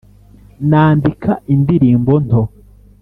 nandika indirimbo nto